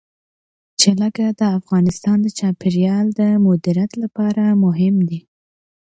جلګه د افغانستان د چاپیریال د مدیریت لپاره مهم دي.